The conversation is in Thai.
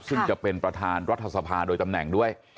ซึ่งจะเป็นประธานรัฐสภาโดยตำแหน่งด้วย